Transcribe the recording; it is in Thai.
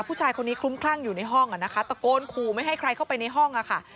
ผู้ชายคนนี้คลุ้มคลั่งอยู่ในห้องอ่ะนะคะตะโกนขู่ไม่ให้ใครเข้าไปในห้องค่ะ